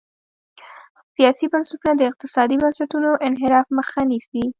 سیاسي بنسټونه د اقتصادي بنسټونو انحراف مخه نیسي.